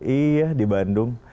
iya di bandung